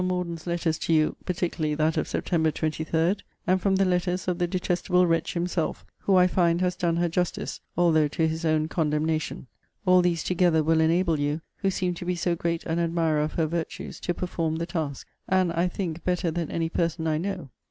Morden's letters to you, particularly that of Sept. 23;* and from the letters of the detestable wretch himself, who, I find, has done her justice, although to his own condemnation: all these together will enable you, who seem to be so great an admirer of her virtues, to perform the task; and, I think, better than any person I know.